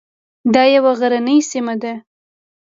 دا یوه غرنۍ سیمه ده.